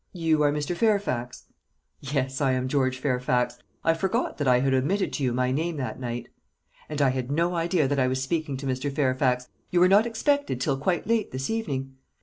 "You are Mr. Fairfax?" "Yes, I am George Fairfax. I forgot that I had omitted to tell you my name that night." "And I had no idea that I was speaking to Mr. Fairfax. You were not expected till quite late this evening."